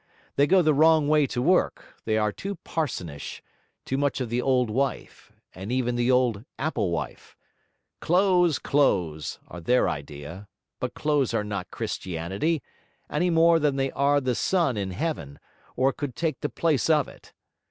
They go the wrong way to work; they are too parsonish, too much of the old wife, and even the old apple wife. CLOTHES, CLOTHES, are their idea; but clothes are not Christianity, any more than they are the sun in heaven, or could take the place of it!